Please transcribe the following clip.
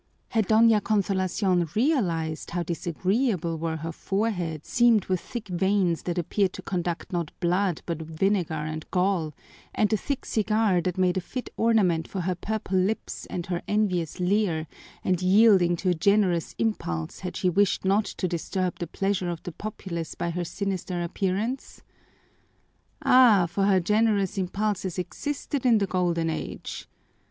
Had Doña Consolacion realized how disagreeable were her forehead seamed with thick veins that appeared to conduct not blood but vinegar and gall, and the thick cigar that made a fit ornament for her purple lips, and her envious leer, and yielding to a generous impulse had she wished not to disturb the pleasure of the populace by her sinister appearance? Ah, for her generous impulses existed in the Golden Age!